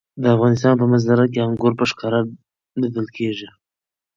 د افغانستان په منظره کې انګور په ښکاره لیدل کېږي.